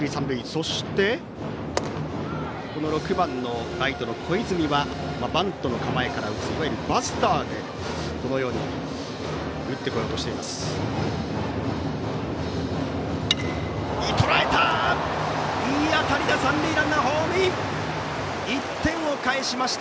そして６番のライト、小泉はバントの構えから打ついわゆるバスターで打ってこようとしています。